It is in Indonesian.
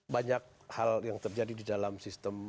banyak hal yang terjadi di dalam sistem